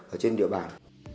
ở trên địa bàn